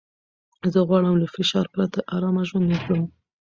زه غواړم له فشار پرته ارامه ژوند وکړم.